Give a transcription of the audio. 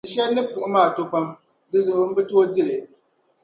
Ti shɛli ni puɣi maa to pam, di zuɣu n bi tooi dili.